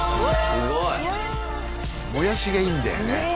すごいもやしがいいんだよねねえ